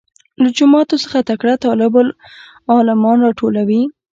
له جوماتو څخه تکړه طالب العلمان راټولوي.